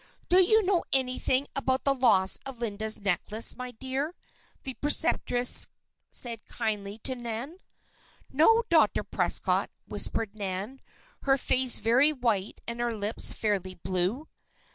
"Do you know anything about the loss of Linda's necklace, my dear?" the preceptress said kindly to Nan. "No, Dr. Prescott," whispered Nan, her face very white and her lips fairly blue.